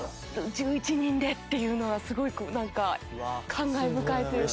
１１人でっていうのはすごいなんか感慨深いというか。